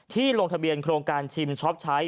ลงทะเบียนโครงการชิมช็อปใช้